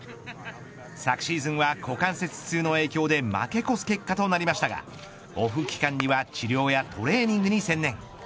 昨シーズンは股関節痛の影響で負け越す結果となりましたがオフ期間には治療やトレーニングに専念。